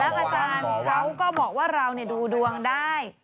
อาจารย์เขาก็บอกว่าเราดูดวงได้